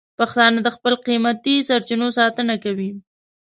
پښتانه د خپلو قیمتي سرچینو ساتنه کوي.